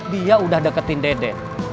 dia sudah deketin deden